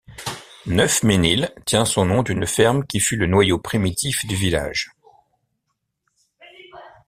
Neuf-Mesnil tient son nom d’une ferme qui fut le noyau primitif du village.